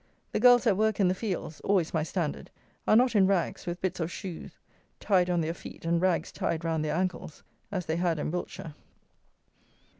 The girls at work in the fields (always my standard) are not in rags, with bits of shoes tied on their feet and rags tied round their ankles, as they had in Wiltshire.